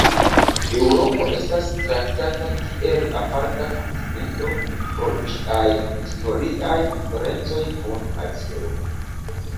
Eŭropo estas traktata kiel aparta kontinento pro ĝiaj historiaj diferencoj kun Azio.